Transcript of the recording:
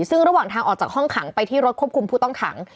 ซึ่งระหว่างทางออกจากห้องขังไปที่รถควบคุมผู้ต้องขัง